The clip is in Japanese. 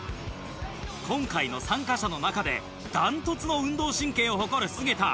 今回の参加者の中で断トツの運動神経を誇る菅田。